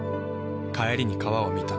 帰りに川を見た。